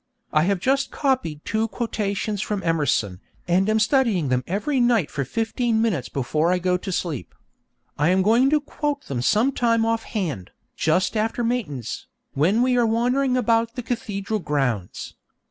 I have just copied two quotations from Emerson, and am studying them every night for fifteen minutes before I go to sleep. I'm going to quote them some time offhand, just after matins, when we are wandering about the cathedral grounds.